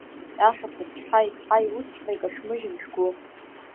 Ахьаԥарч ҳаи, ҳаи, усҵәҟьа, икашәмыжьын шәгәы…